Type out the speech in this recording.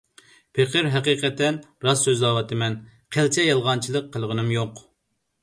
پېقىر ھەقىقەتەن راست سۆزلەۋاتىمەن، قىلچە يالغانچىلىق قىلغىنىم يوق.